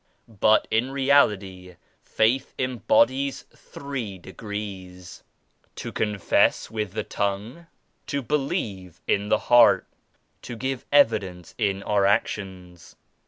But in reality Faith embodies three degrees: — ^To confess with the tongue: To believe in the heart: To give evi dence in our actions.